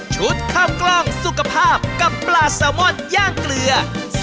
ข้าวกล้องสุขภาพกับปลาแซลมอนย่างเกลือ